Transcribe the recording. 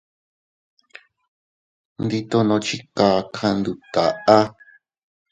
Ndi tono chi kaka ndut taʼa.